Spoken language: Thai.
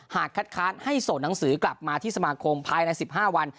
หากคัดค้านให้ส่งหนังสือกลับมาที่สมาคมภายใน๑๕วัน